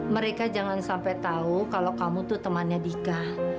mereka jangan sampai tahu kalau kamu tuh temannya dika